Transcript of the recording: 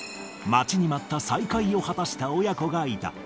待ちに待った再会を果たした親子がいた。